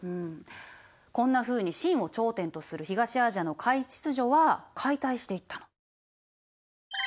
こんなふうに清を頂点とする東アジアの華夷秩序は解体していったの。